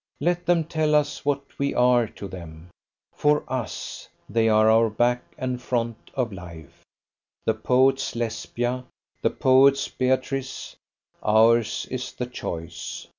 Let them tell us what we are to them: for us, they are our back and front of life: the poet's Lesbia, the poet's Beatrice; ours is the choice.